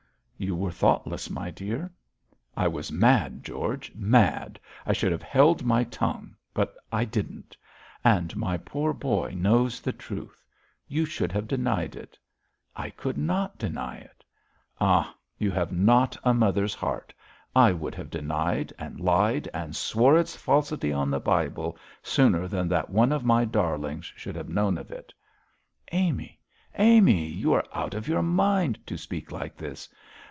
'You were thoughtless, my dear.' 'I was mad, George, mad; I should have held my tongue, but I didn't. And my poor boy knows the truth. You should have denied it.' 'I could not deny it.' 'Ah! you have not a mother's heart. I would have denied, and lied, and swore its falsity on the Bible sooner than that one of my darlings should have known of it.' 'Amy! Amy! you are out of your mind to speak like this.